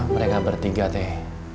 mereka bertiga teh